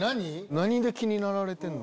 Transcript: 何で気になられてるの？